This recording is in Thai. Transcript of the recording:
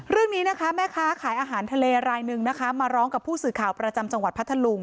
เรื่องนี้นะคะแม่ค้าขายอาหารทะเลรายหนึ่งนะคะมาร้องกับผู้สื่อข่าวประจำจังหวัดพัทธลุง